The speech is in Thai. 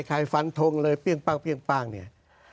ฟันทงเลยเปรี้ยงป้างเนี่ย